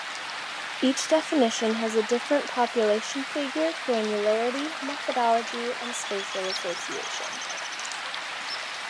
Each definition has a different population figure, granularity, methodology, and spatial association.